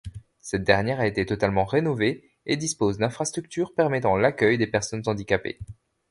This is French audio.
Cette dernière a été totalement rénovée et dispose d'infrastructures permettant l'accueil des personnes handicapées.